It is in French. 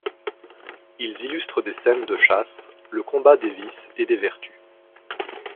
Ils illustrent des scènes de chasse, le combat des vices et des vertus.